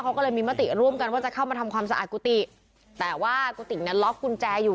เขาก็เลยมีมติร่วมกันว่าจะเข้ามาทำความสะอาดกุฏิแต่ว่ากุฏิเนี่ยล็อกกุญแจอยู่